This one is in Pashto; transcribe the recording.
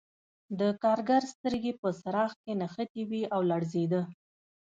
د کارګر سترګې په څراغ کې نښتې وې او لړزېده